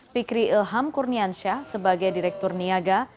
fikri ilham kurniansyah sebagai direktur niaga